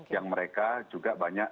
yang mereka juga banyak